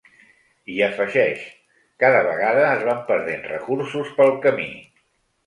I afegeix: ‘cada vegada es van perdent recursos pel camí’.